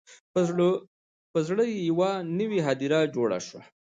په زړه یې یوه نوي هدیره جوړه شوه